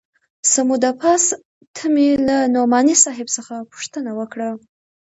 څه موده پس ته مې له نعماني صاحب څخه پوښتنه وکړه.